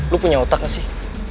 lu punya otak gak sih